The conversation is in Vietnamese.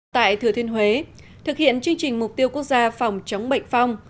tại thừa thiên huế thực hiện chương trình mục tiêu quốc gia phòng chống bệnh phong